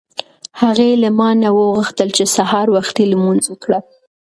هغې له ما نه وغوښتل چې سهار وختي لمونځ وکړه.